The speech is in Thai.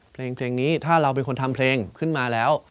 เพลงนี้ถ้าเราเป็นคนทำเพลงขึ้นมาแล้ว